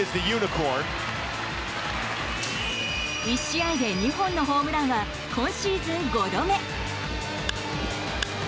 １試合で２本のホームランは今シーズン５度目。